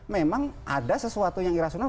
memang ada sesuatu yang irasional